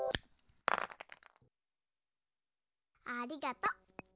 ありがとう。